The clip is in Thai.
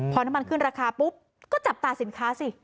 พอน้ำมันขึ้นราคาปุ๊บก็จับตาสินค้าสิ